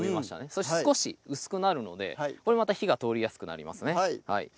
そして少し薄くなるのでこれまた火が通りやすくなりますね